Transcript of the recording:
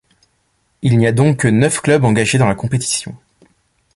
Il n'y a donc que neuf clubs engagés dans la compétition.